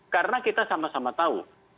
karena kita sama sama tahu